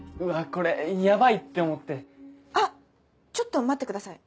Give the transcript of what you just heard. これヤバいって思ってあっちょっと待ってください。